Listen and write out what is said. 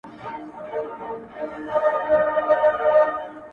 جام کندهار کي رانه هېر سو! صراحي چیري ده!